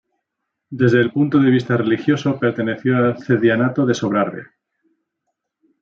Desde el punto de vista religioso, perteneció al arcedianato de Sobrarbe.